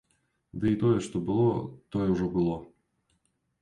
Ды і тое, што было, тое ўжо было.